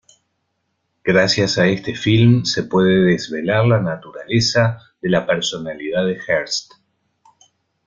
Gracias a este film se puede desvelar la naturaleza de la personalidad de Hearst.